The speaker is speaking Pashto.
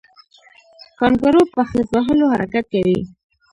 کانګارو په خیز وهلو حرکت کوي